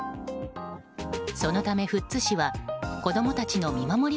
そのため富津市は子供たちの見守り